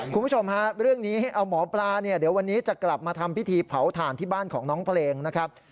คุณผู้ชมฮะเรื่องนี้ให้เอาหมอปลาเนี่ยเดี๋ยววันนี้จะกลับมาทำพิธีเผาถ่านที่บ้านของน้องเพลงนะครับ